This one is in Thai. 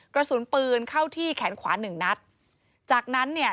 กระสุนปืนเข้าที่แขนขวาหนึ่งนัดจากนั้นเนี่ย